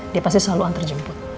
dia pasti selalu antar jemput